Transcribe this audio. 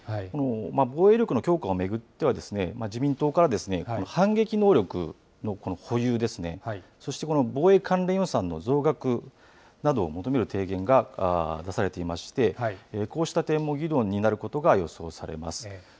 防衛力の強化を巡っては、自民党から、反撃能力の保有ですね、そして防衛関連予算の増額などを求める提言が出されていまして、こうした点も議論になることが予想されます。